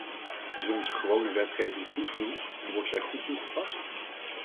Is onze gewone wetgeving goed genoeg en wordt zij goed toegepast?